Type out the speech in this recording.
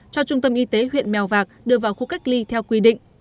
cho trung tâm y tế huyện mèo vạc đưa vào khu cách ly theo quy định